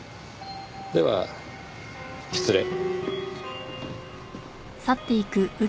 では失礼。